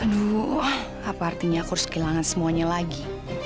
aduh apa artinya aku harus kehilangan semuanya lagi